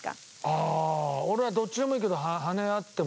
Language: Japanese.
ああ俺はどっちでもいいけど羽根あっても全然。